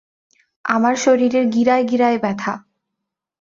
আমার শরীরের গিরায় গিরায় ব্যথা।